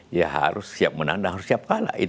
ya harus siap menang dan harus siap kalah